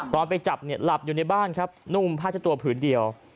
ตอนไปจับหลับอยู่ในบ้านนุ่มพาชะตัวผืนเดียว